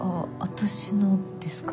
私のですか？